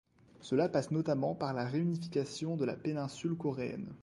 Cela passe notamment par la réunification de la Péninsule coréenne.